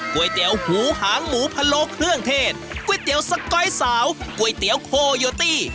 ก๋วยเตี๋ยวหูหางหมูพะโลเครื่องเทศก๋วยเตี๋ยวสก๊อยสาวก๋วยเตี๋ยวโคโยตี้